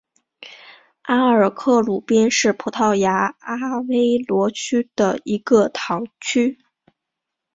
阿尔克鲁宾是葡萄牙阿威罗区的一个堂区。